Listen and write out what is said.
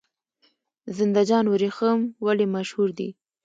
زنده جان وریښم ولې مشهور دي؟